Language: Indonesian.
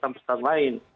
ada persatuan lain